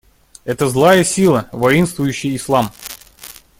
Эта злая сила — воинствующий ислам.